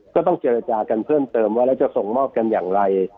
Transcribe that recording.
ก็ต้องเจรจากันเพิ่มเติมว่าแล้วจะส่งมอบกันอย่างไร